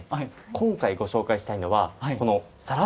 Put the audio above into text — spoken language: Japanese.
今回ご紹介したいのは。